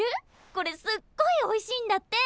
これすっごいおいしいんだって！